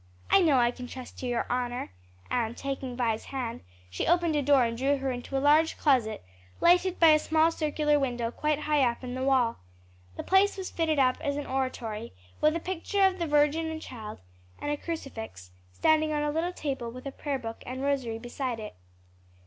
I know I can trust to your honor," and taking Vi's hand, she opened a door and drew her into a large closet, lighted by a small circular window quite high up in the wall. The place was fitted up as an oratory, with a picture of the Virgin and child, and a crucifix, standing on a little table with a prayer book and rosary beside it.